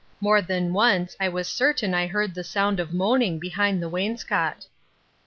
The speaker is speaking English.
More than once I was certain that I heard the sound of moaning behind the wainscot.